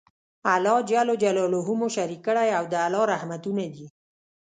الله ج مو شريک کړی او د الله رحمتونه دي